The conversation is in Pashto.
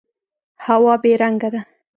هوا بې رنګه ده.